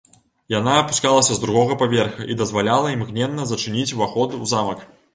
Яна апускалася з другога паверха і дазваляла імгненна зачыніць уваход у замак.